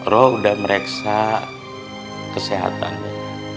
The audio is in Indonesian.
roh udah mereksa kesehatannya